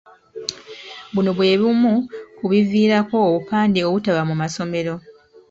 Buno bwe bumu ku biviirako obupande obutaba mu masomero.